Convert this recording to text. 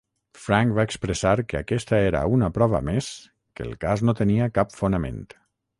Frank va expressar que aquesta era una prova més que el cas no tenia cap fonament.